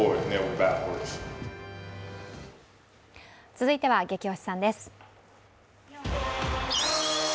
続いては「ゲキ推しさん」です。